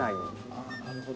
ああなるほど。